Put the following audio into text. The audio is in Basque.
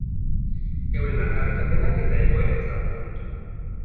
Euren aldarrikapenak eta egoera ezagutu dugu.